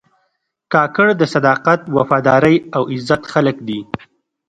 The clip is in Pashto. کاکړ د صداقت، وفادارۍ او عزت خلک دي.